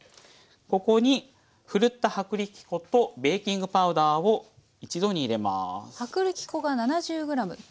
ここにふるった薄力粉とベーキングパウダーを一度に入れます。